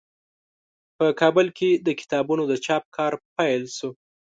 په کابل کې د کتابونو د چاپ کار پیل شو.